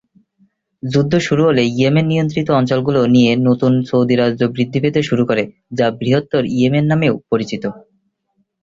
যুদ্ধ শুরু হলে ইয়েমেন নিয়ন্ত্রিত অঞ্চলগুলো নিয়ে নতুন সৌদি রাজ্য বৃদ্ধি পেতে শুরু করে, যা বৃহত্তর ইয়েমেন নামেও পরিচিত।